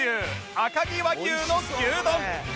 赤城和牛の牛丼